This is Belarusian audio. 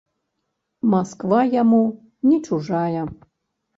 Масква яму не чужая.